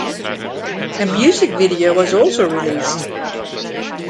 A music video was also released.